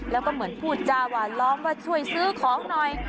แล้วก็เหมือนพูดจาหวานล้อมว่าช่วยซื้อของหน่อย